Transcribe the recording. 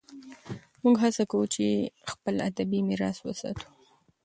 موږ هڅه کوو چې خپل ادبي میراث وساتو.